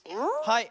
はい。